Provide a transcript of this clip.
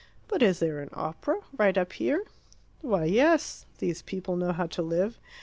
"But is there an opera? Right up here?" "Why, yes. These people know how to live.